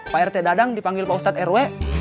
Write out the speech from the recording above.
pak rt dadang dipanggil pak ustadz rw